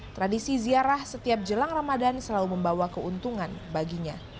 tradisi ziarah setiap jelang ramadan selalu membawa keuntungan baginya